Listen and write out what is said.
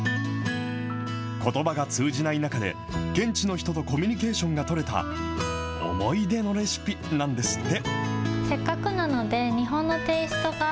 ことばが通じない中で、現地の人とコミュニケーションが取れた、思い出のレシピなんですって。